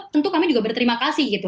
jadi tentu kami juga berterima kasih